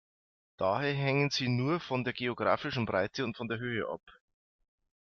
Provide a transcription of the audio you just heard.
Daher hängen sie nur von der geographischen Breite und von der Höhe ab.